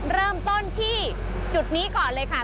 เริ่มต้นที่จุดนี้ก่อนเลยค่ะ